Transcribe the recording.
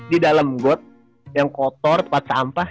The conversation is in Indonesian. di dalem got yang kotor tempat sampah